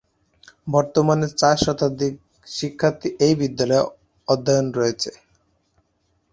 বর্তমানে চার শতাধিক শিক্ষার্থী এ বিদ্যালয়ে অধ্যয়নরত আছে।